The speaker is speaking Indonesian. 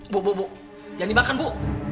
bu bu bu jangan dimakan bu